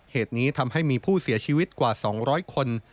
เหตุนี้ทำให้มีผู้เสียชีวิตกว่า๒๐๐คน